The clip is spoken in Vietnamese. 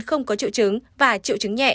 không có triệu chứng và triệu chứng nhẹ